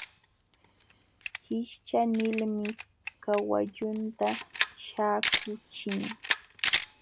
Hishcha nilmi kawallunta śhaakuuchin.